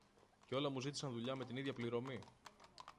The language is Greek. και όλα μου ζήτησαν δουλειά με την ίδια πληρωμή.